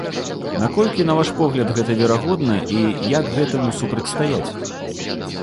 Наколькі, на ваш погляд, гэта верагодна і як гэтаму супрацьстаяць?